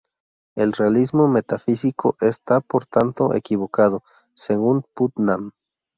El realismo metafísico está por tanto equivocado, según Putnam.